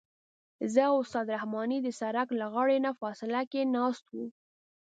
زه او استاد رحماني د سړک له غاړې نه فاصله کې ناست وو.